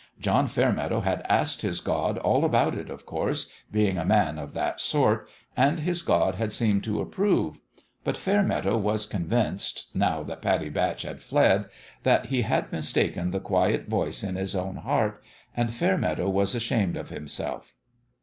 John Fairmeadow had asked his God all about it, of course, being a man of that sort, and his God had seemed to approve ; but Fairmeadow was convinced, now that Pattie Batch had fled, that he had mistaken the quiet voice in his own heart and Fairmeadow was ashamed of himself.